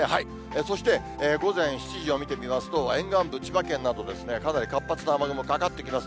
そして、午前７時を見てみますと、沿岸部、千葉県など、かなり活発な雨雲、かかってきます。